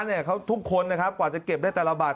แม้ค้าทุกคนกว่าจะเก็บได้แต่ละบาท